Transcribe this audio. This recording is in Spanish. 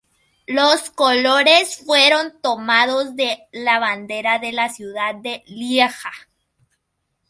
Los colores fueron tomados de la bandera de la ciudad de Lieja.